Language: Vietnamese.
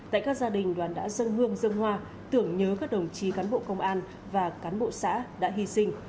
tại các gia đình đoàn đã dâng hương dân hoa tưởng nhớ các đồng chí cán bộ công an và cán bộ xã đã hy sinh